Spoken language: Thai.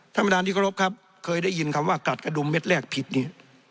ท่านประธานที่เคารพครับเคยได้ยินคำว่ากัดกระดุมเม็ดแรกผิดนี่